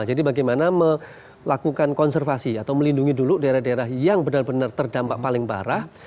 jadi bagaimana melakukan konservasi atau melindungi dulu daerah daerah yang benar benar terdampak paling parah